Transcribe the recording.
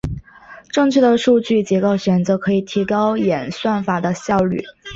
正确的数据结构选择可以提高演算法的效率。